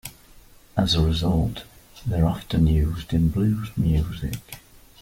As a result, they are often used in blues music.